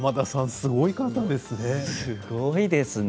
すごい方ですね。